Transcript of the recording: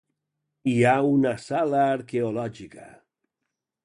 Hi ha una sala arqueològica.